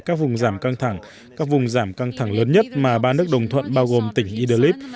các vùng giảm căng thẳng các vùng giảm căng thẳng lớn nhất mà ba nước đồng thuận bao gồm tỉnh iderlip